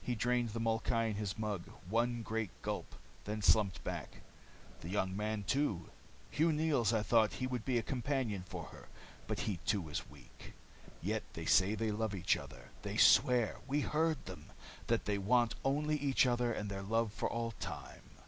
He drained the molkai in his mug, one great gulp, and slumped back. "The young man, too, Hugh Neils. I thought he would be a companion for her. But he too is weak. Yet they say they love each other. They swear we heard them that they want only each other and their love for all time."